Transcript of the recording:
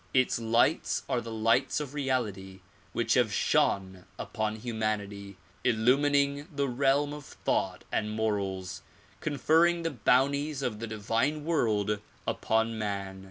Its lights are the lights of reality which have shone upon humanity, illumining the realm of thought and morals, conferring the bounties of the divine world upon man.